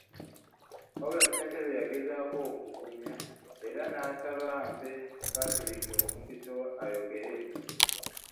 Wabula Ssentebe yagezaako okungumya era n'ansaba mpe Patrick omukisa ayogere.